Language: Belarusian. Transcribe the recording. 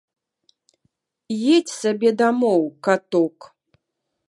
Едзь сабе дамоў, каток.